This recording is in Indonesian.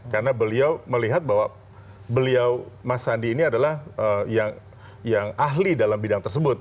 karena beliau melihat bahwa beliau mas sandi ini adalah yang ahli dalam bidang tersebut